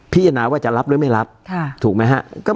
พิจารณาว่าจะรับหรือไม่รับถูกไหมครับ